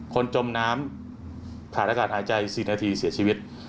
จมน้ำขาดอากาศหายใจ๔นาทีเสียชีวิต